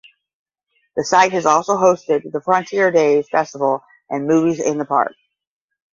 The site has also hosted the Frontier Days festival and Movies in the Park.